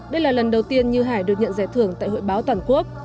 đây là lần đầu tiên như hải được nhận giải thưởng tại hội báo toàn quốc